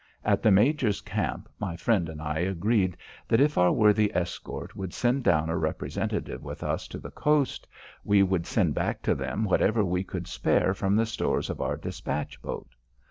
At the major's camp, my friend and I agreed that if our worthy escort would send down a representative with us to the coast, we would send back to them whatever we could spare from the stores of our despatch boat.